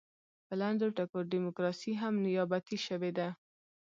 په لنډو ټکو کې ډیموکراسي هم نیابتي شوې ده.